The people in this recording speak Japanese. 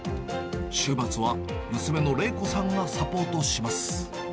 週末は娘の礼子さんがサポートします。